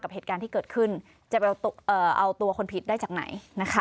เหตุการณ์ที่เกิดขึ้นจะไปเอาตัวคนผิดได้จากไหนนะคะ